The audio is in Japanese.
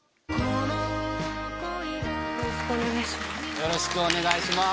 よろしくお願いします。